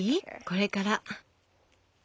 これから。